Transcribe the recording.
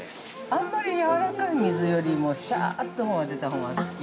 ◆あんまりやわらかい水よりもシャーっと出たほうが好き。